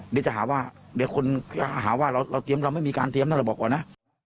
เดี๋ยวจะหาว่าเดี๋ยวคนหาว่าเราเตรียมเราไม่มีการเตรียมนะเราบอกก่อนนะ